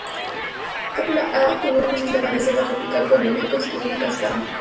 Cúpula A, con un ecosistema de selva tropical con helechos y una cascada.